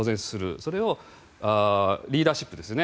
それをリーダーシップですよね